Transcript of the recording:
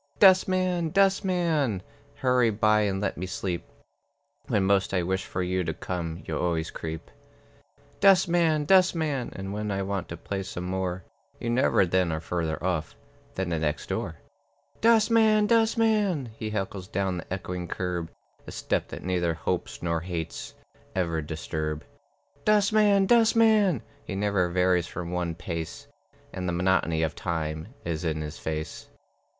Dustman, dustman, Hurry by and let me sleep. When most I wish for you to come, You always creep. Dustman, dustman, And when I want to play some more, You never then are further off Than the next door. "Dustman, dustman!" He heckles down the echoing curb, A step that neither hopes nor hates Ever disturb. "Dustman, dustman!" He never varies from one pace, And the monotony of time Is in his face.